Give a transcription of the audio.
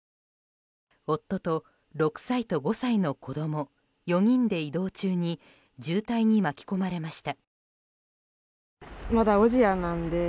夫と６歳と５歳の子供４人で移動中に渋滞に巻き込まれました。